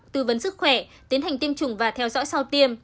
tư vấn sức khỏe tiến hành tiêm chủng và theo dõi sau tiêm